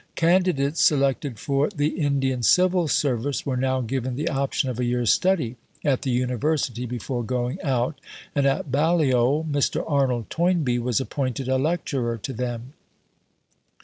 Candidates selected for the Indian Civil Service were now given the option of a year's study at the University before going out, and at Balliol Mr. Arnold Toynbee was appointed a lecturer to them.